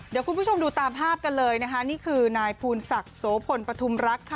เดี๋ยวคุณผู้ชมดูตามภาพกันเลยนะคะนี่คือนายภูนศักดิ์โสพลปฐุมรักค่ะ